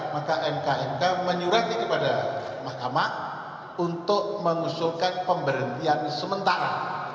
maka mknk menyuruhkan kepada mahkamah untuk mengusulkan pemberhentian sementara